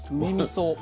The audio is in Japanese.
そう。